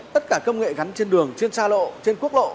tất cả công nghệ gắn trên đường trên xa lộ trên quốc lộ